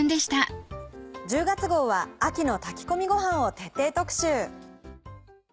１０月号は秋の炊き込みごはんを徹底特集。